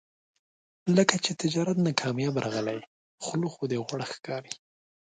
لکه چې تجارت نه کامیاب راغلی یې، خوله خو دې غوړه ښکاري.